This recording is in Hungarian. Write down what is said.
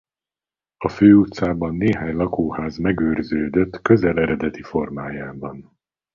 A főutcában néhány lakóház megőrződött közel eredeti formájában.